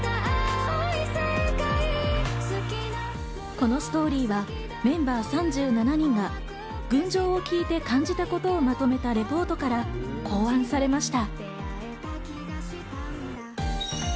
このストーリーはメンバー３７人が『群青』を聴いて感じたことをまとめたレポートから考案されました。